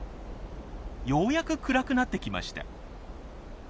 ようやく暗くなってきました。